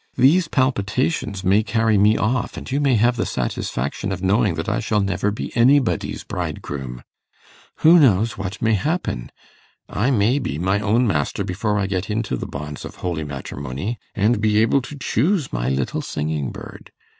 These palpitations may carry me off, and you may have the satisfaction of knowing that I shall never be anybody's bridegroom. Who knows what may happen? I may be my own master before I get into the bonds of holy matrimony, and be able to choose my little singing bird.